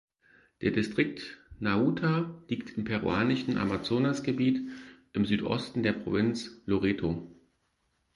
Der Distrikt Nauta liegt im peruanischen Amazonasgebiet im Südosten der Provinz Loreto.